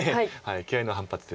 気合いの反発です。